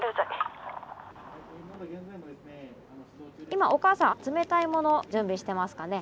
今おかあさん冷たいもの準備してますかね？